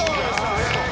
ありがとう。